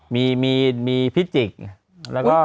มีพิจิกส์